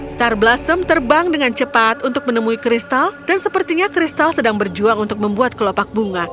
star blossom terbang dengan cepat untuk menemui kristal dan sepertinya kristal sedang berjuang untuk membuat kelopak bunga